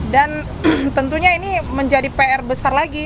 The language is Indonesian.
dan tentunya ini menjadi pr besar lagi